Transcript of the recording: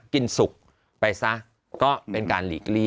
สุกไปซะก็เป็นการหลีกเลี่ย